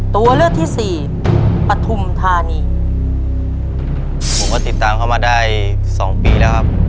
ตัวเลือกที่สี่ปฐุมธานีผมก็ติดตามเขามาได้สองปีแล้วครับ